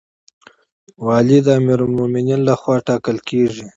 والی د امیرالمؤمنین لخوا ټاکل کیږي